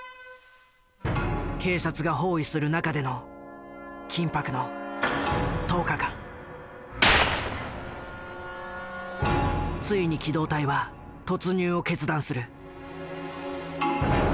警察が包囲する中での緊迫のついに機動隊は突入を決断する。